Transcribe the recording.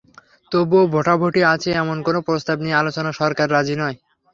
তবুও ভোটাভুটি আছে এমন কোনো প্রস্তাব নিয়ে আলোচনায় সরকার রাজি নয়।